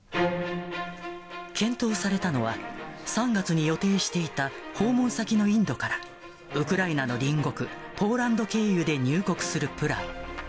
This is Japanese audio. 検討されたのは、３月に予定していた訪問先のインドからウクライナの隣国、ポーランド経由で入国するプラン。